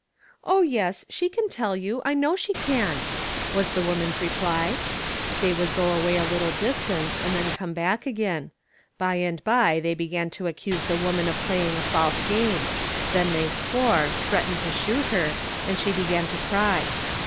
"Oh, yes, she can tell you, I know she can," was the woman's reply. They would go away a little distance and then come back again; by and by they began to accuse the woman of playing a false game; then they swore, threatened to shoot her, and she began to cry.